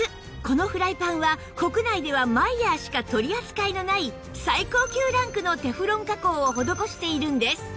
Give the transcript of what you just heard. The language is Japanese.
このフライパンは国内ではマイヤーしか取り扱いのない最高級ランクのテフロン加工を施しているんです